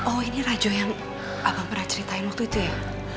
oh ini rajo yang abang pernah ceritain waktu itu ya